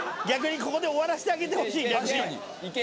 逆にここで終わらせてあげてほしい。